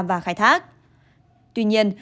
và khai thác tuy nhiên